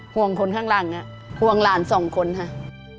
ห่วงคนข้างหลังห่วงหลานสองคนค่ะ